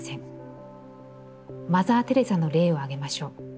マザー・テレサの例をあげましょう。